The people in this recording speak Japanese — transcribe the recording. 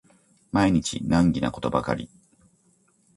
毎日難儀なことばかり